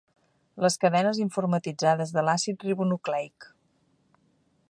Les cadenes informatitzades de l’àcid ribonucleic.